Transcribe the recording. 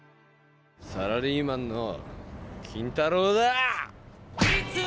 サラリーマンの金太郎だ！